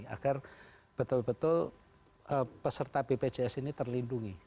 agar betul betul peserta bpjs ini terlindungi